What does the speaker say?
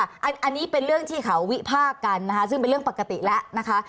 อันนี้เป็นเรื่องที่เขาวิพากษ์กันนะคะซึ่งเป็นเรื่องปกติแล้วนะคะ